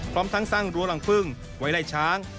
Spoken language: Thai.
พร้อมทั้งสร้างรั้วรังพึ่งไว้ไล่ช้าง